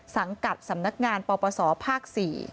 สังกัดสำนักงานปปศภาค๔